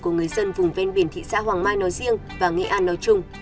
của người dân vùng ven biển thị xã hoàng mai nói riêng và nghệ an nói chung